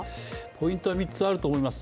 ポイントは３つあると思います。